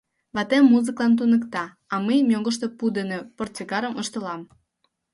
Ватем музыклан туныкта, а мый мӧҥгыштӧ пу дене портсигарым ыштылам.